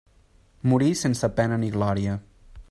Morí sense pena ni glòria.